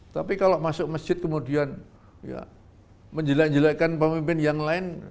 tapi kalau masuk masjid kemudian ya menjelek jelekkan pemimpin yang lain